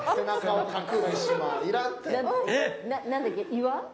岩。